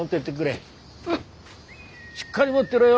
しっかり持ってろよ！